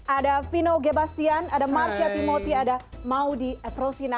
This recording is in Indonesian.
ada vino gebastian ada marcia timoti ada maudie efrosina